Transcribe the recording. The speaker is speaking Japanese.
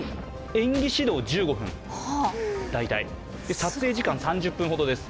演技指導、大体１５分、撮影時間３０分ほどです。